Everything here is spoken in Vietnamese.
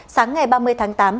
sáng ngày ba mươi tháng tám